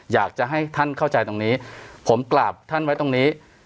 อยากจะให้ท่านเข้าใจตรงนี้ผมกราบท่านไว้ตรงนี้